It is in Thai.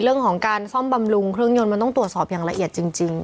เรื่องของการซ่อมบำรุงเครื่องยนต์มันต้องตรวจสอบอย่างละเอียดจริง